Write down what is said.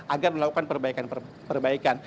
agar melakukan perbaikan perbaikan